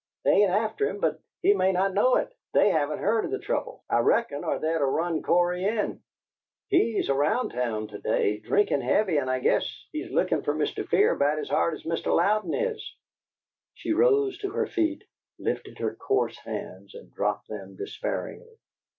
They ain't after him, but he may not know it. They haven't heard of the trouble, I reckon, or they'd of run Cory in. HE'S around town to day, drinkin' heavy, and I guess he's lookin' fer Mr. Fear about as hard as Mr. Louden is." She rose to her feet, lifted her coarse hands, and dropped them despairingly.